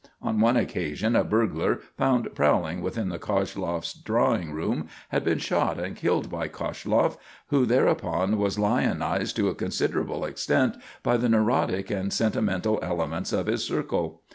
On one occasion, a burglar, found prowling within the Koshloff's drawing room, had been shot and killed by Koshloff, who thereupon was lionised to a considerable extent by the neurotic and sentimental elements of his circle.